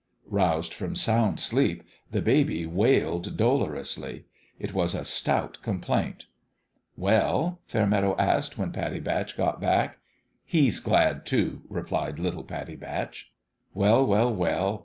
Roused from sound sleep, the baby wailed dolorously. It was a stout complaint. "Well?" Fairmeadow asked, when Pattie Batch got back. " He's glad, too," replied little Pattie Batch. Well, well, well